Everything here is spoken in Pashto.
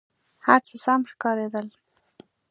هر څه سم ښکارېدل.